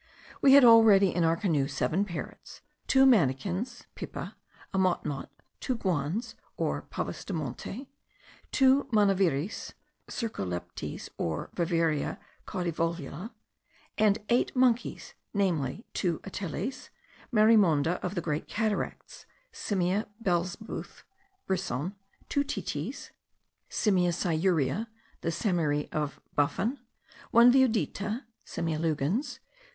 We had already in our canoe seven parrots, two manakins (pipa), a motmot, two guans, or pavas de monte, two manaviris (cercoleptes or Viverra caudivolvula), and eight monkeys, namely, two ateles,* (* Marimonda of the Great Cataracts, Simia belzebuth, Brisson.) two titis,* (* Simia sciurea, the saimiri of Buffon.) one viudita,* (* Simia lugens.)